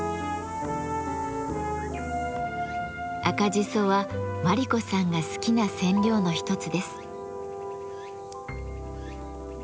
赤じそは真理子さんが好きな染料の一つです。